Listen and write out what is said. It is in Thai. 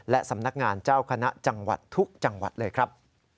และสำนักงานเจ้าคณะจังหวัดทุกจังหวัดเลยครับ